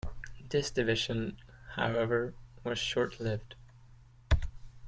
This division, however, was short-lived.